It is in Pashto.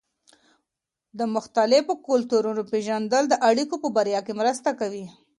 د مختلفو کلتورونو پېژندل د اړيکو په بریا کې مرسته کوي.